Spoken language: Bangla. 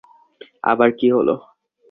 আবার কী হলো?